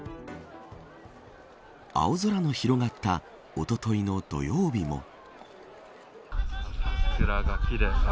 青空の広がったおとといの土曜日も。